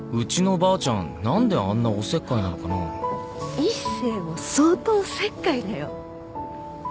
一星も相当おせっかいだよ！